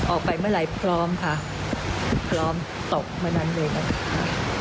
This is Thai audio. ออกไปเมื่อไหร่พร้อมค่ะพร้อมตกเมื่อนั้นเลยนะคะ